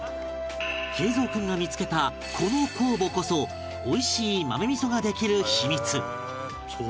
敬蔵君が見つけたこの酵母こそ美味しい豆味噌ができる秘密